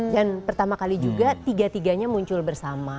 dan pertama kali juga tiga tiganya muncul bersama